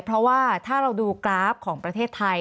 เพราะว่าถ้าเราดูกราฟของประเทศไทย